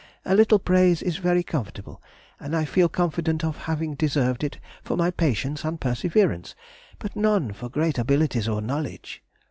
A little praise is very comfortable, and I feel confident of having deserved it for my patience and perseverance, but none for great abilities or knowledge.